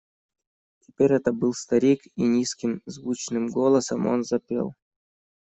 Теперь это был старик, и низким звучным голосом он запел: